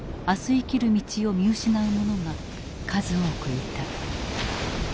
生きる道を見失う者が数多くいた。